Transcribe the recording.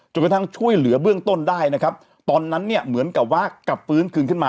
กระทั่งช่วยเหลือเบื้องต้นได้นะครับตอนนั้นเนี่ยเหมือนกับว่ากลับฟื้นคืนขึ้นมา